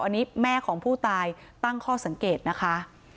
อันนี้แม่ของผู้ตายตั้งข้อสังเกตนะคะ